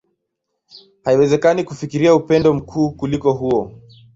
Haiwezekani kufikiria upendo mkuu kuliko huo.